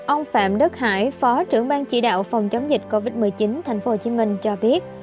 ông phạm đức hải phó trưởng ban chỉ đạo phòng chống dịch covid một mươi chín tp hcm cho biết